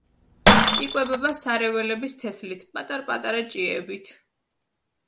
იკვებება სარეველების თესლით, პატარ-პატარა ჭიებით.